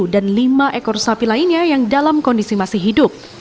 dan lima ekor sapi lainnya yang dalam kondisi masih hidup